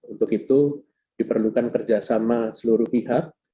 untuk itu diperlukan kerjasama seluruh pihak